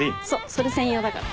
それ専用だから。